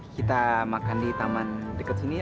kita makan di taman deket sini ya